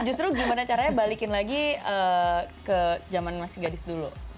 justru gimana caranya balikin lagi ke zaman masih gadis dulu